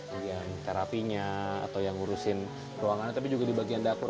bagian terapinya atau yang ngurusin ruangannya tapi juga di bagian dapur